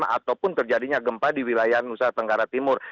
ataupun terjadinya gempa di wilayah nusa tenggara timur